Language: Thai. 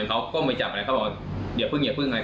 น่าจะประมาณ๓นัด